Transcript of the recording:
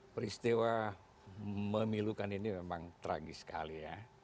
peristiwa memilukan ini memang tragis sekali ya